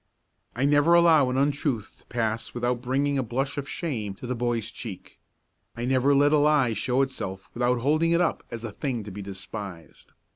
I never allow an untruth to pass without bringing a blush of shame to the boy's cheek. I never let a lie show itself without holding it up as a thing to be despised.